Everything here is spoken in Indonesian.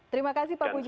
terima kasih pak puji